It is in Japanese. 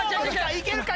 いけるか？